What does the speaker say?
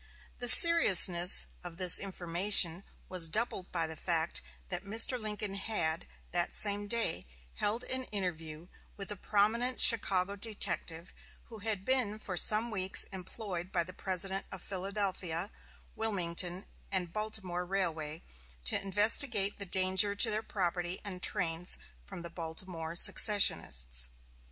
The seriousness of this information was doubled by the fact that Mr. Lincoln had, that same day, held an interview with a prominent Chicago detective who had been for some weeks employed by the president of the Philadelphia, Wilmington and Baltimore railway to investigate the danger to their property and trains from the Baltimore secessionists.